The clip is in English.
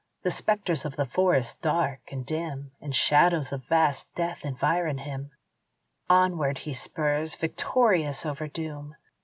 The spectres of the forest, dark and dim, And shadows of vast death environ him Onward he spurs victorious over doom.